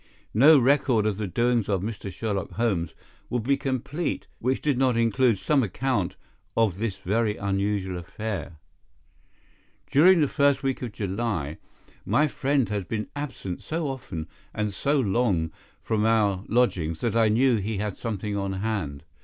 No record of the doings of Mr. Sherlock Holmes would be complete which did not include some account of this very unusual affair. During the first week of July, my friend had been absent so often and so long from our lodgings that I knew he had something on hand.